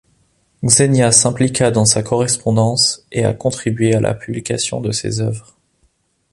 Xenia s'impliqua dans sa correspondance et a contribué à la publication de ses œuvres.